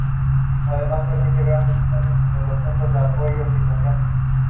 It took seven months for Ross to be confirmed in the role.